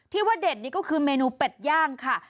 ว่าเด็ดนี่ก็คือเมนูเป็ดย่างค่ะ